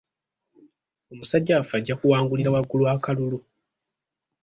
Omusajja waffe ajja kuwangulira waggulu akalulu.